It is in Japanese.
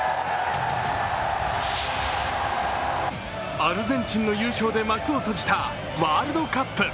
アルゼンチンの優勝で幕を閉じたワールドカップ。